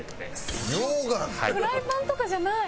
フライパンとかじゃない。